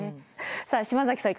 さあ島崎さん